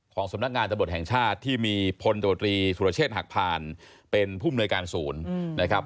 ของสำนักงานตะบดแห่งชาติที่มีพลโดรีถุรเชษฐ์หักผ่านเป็นผู้เมืองการศูนย์นะครับ